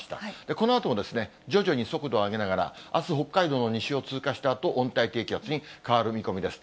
このあとも徐々に速度を上げながら、あす、北海道の西を通過したあと、温帯低気圧に変わる見込みです。